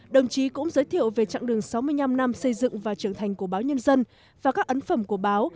đồng chí cũng giới thiệu về trạng đường sáu mươi năm năm xây dựng và trưởng thành của báo nhân dân và các ấn phẩm của báo